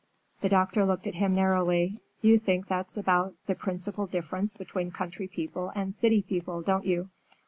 The doctor looked at him narrowly. "You think that's about the principal difference between country people and city people, don't you?"